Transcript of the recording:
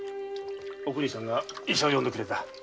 おくにさんが医者を呼んでくれた。